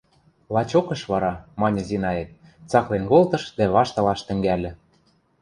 – Лачокыш вара... – маньы Зинаэт, цаклен колтыш дӓ ваштылаш тӹнгӓльӹ.